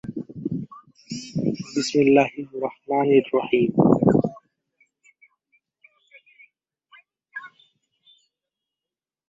হিসেবেও দায়িত্ব পালন করেন।